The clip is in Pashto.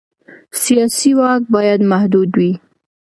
سیاسي واک باید محدود وي